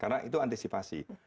karena itu antisipasi